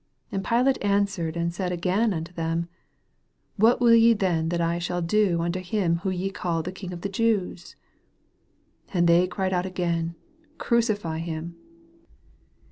12 And Pilate answered and said again unto them, What will ye then that I shall do unto him whom ye call the King of the Jews ? 13 And they cried out again, Cru cify him.